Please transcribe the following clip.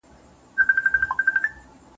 د ميرمني په پرتله د خاوند حقوق څنګه دي؟